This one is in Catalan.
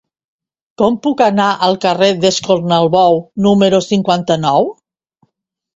Com puc anar al carrer d'Escornalbou número cinquanta-nou?